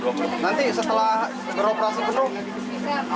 nanti setelah teroperasi penumpang ingin naik lrt